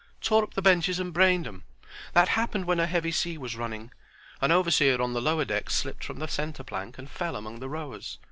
"Tore up the benches and brained 'em. That happened when a heavy sea was running. An overseer on the lower deck slipped from the centre plank and fell among the rowers.